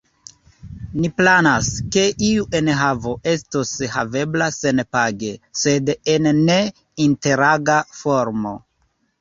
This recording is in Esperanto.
Ni planas, ke iu enhavo estos havebla senpage, sed en ne-interaga formo.